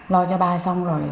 lo cho ba xong rồi